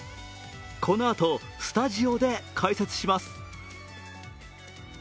このあと、スタジオで解説します。